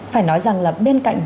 phải nói rằng là bên cạnh